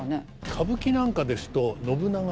歌舞伎なんかですと信長